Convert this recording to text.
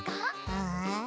うん？